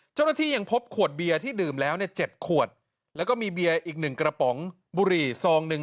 เจ้าหน้าที่ยังพบขวดเบียร์ที่ดื่มแล้ว๗ขวดแล้วก็มีเบียร์อีกหนึ่งกระป๋องบุหรี่ซองหนึ่ง